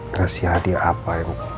ngasih hadiah apa yang